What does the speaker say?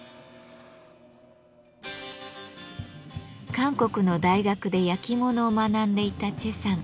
韓国の大学で焼き物を学んでいた崔さん